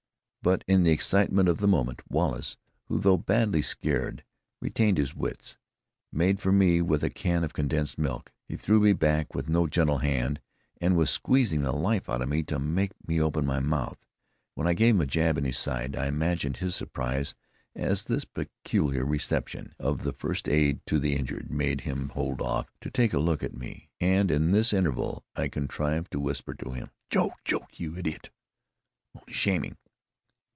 But in the excitement of the moment, Wallace who, though badly scared, retained his wits made for me with a can of condensed milk. He threw me back with no gentle hand, and was squeezing the life out of me to make me open my mouth, when I gave him a jab in his side. I imagined his surprise, as this peculiar reception of his first aid to the injured made him hold off to take a look at me, and in this interval I contrived to whisper to him: "Joke! Joke! you idiot! I'm only shamming.